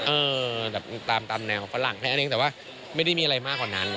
เออตามแนวฝรั่งแหละแต่ว่าไม่ได้มีอะไรมากกว่านั้น